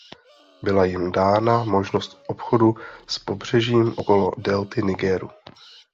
Byla jim dána možnost obchodu s pobřežím okolo delty Nigeru.